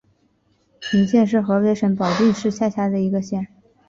阜平县是河北省保定市下辖的一个县。